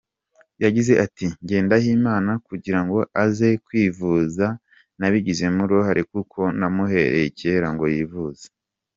Yagize ati :" Ngendahimana kugira ngo aze kwivuza nabigizemo uruhare kuko namuhereye kera ngo yivuze.